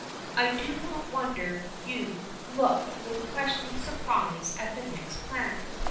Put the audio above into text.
I do not wonder you look with questioning surprise at that next plant.